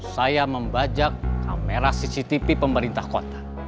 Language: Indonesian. saya membajak kamera cctv pemerintah kota